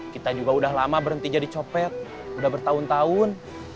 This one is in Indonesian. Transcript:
kita juga udah lama berhenti jadi copet udah bertahun tahun